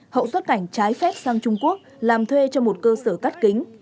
hậu xuất cảnh trái phép sang trung quốc làm thuê cho một cơ sở cắt kính